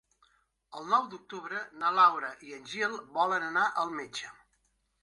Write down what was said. El nou d'octubre na Laura i en Gil volen anar al metge.